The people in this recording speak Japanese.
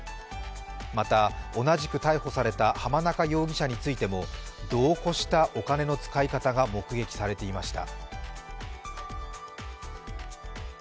また、同じく逮捕された浜中容疑者についても、度を超したお金の使い方が目撃されていました。